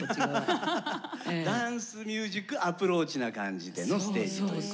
ダンスミュージックアプローチな感じでのステージということ。